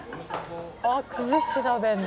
あっ崩して食べるの？